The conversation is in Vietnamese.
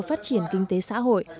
phát triển kinh tế xã hội